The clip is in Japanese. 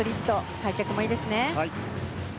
開脚もいいですね。